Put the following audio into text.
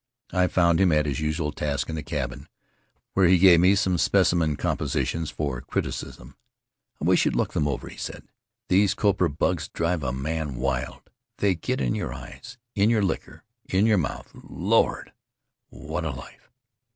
I found him at his usual task in the cabin, where he gave me some specimen composi tions for criticism. "I wish you'd look them over," he said. "These copra bugs drive a man wild. They get in your eyes, in your liquor, in your mouth — Lord! What a life!'